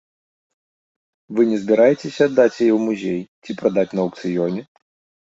Вы не збіраецеся аддаць яе ў музей ці прадаць на аўкцыёне?